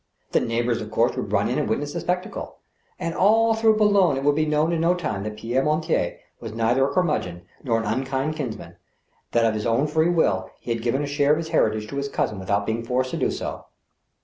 The neighbors, of course, would run in and witness the spectacle ; and all through Boulogne it would be known in no time that Pierre Mortier was neither a curmudgeon nor an unkind kinsman ; that of his own free will he had given a share of his heritage to his cousin without being forced to do so.